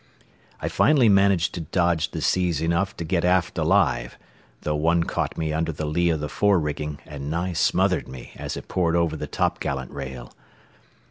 I finally managed to dodge the seas enough to get aft alive, though one caught me under the lee of the fore rigging and nigh smothered me as it poured over the topgallant rail.